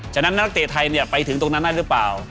นักเตะไทยเนี่ยไปถึงตรงนั้นได้หรือเปล่า